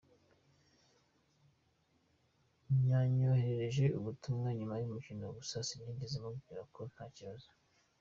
Yanyoherereje ubutumwa nyuma y’umukino gusa sinigeze mubwira ko nta kibazo.